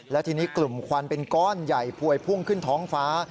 และทีนี้กลุ่มควันเป็นก้อนใหญ่พวยพุ่งขึ้นท้องฟ้า